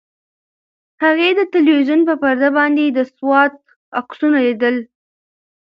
هغې د تلویزیون په پرده باندې د سوات عکسونه لیدل.